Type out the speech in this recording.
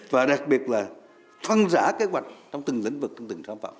và đặc biệt là phân rã kế hoạch trong từng lĩnh vực trong từng sản phẩm